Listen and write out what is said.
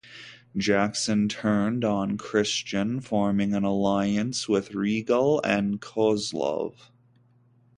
Jackson turned on Christian, forming an alliance with Regal and Kozlov.